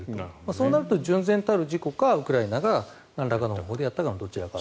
そうなると純然たる事故かウクライナがなんらかの方法でやったかのどちらか。